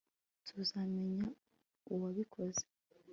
Tuzamenya uwabikoze